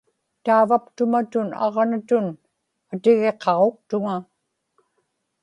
taavaptumatun aġnatun atigiqaġuktuŋa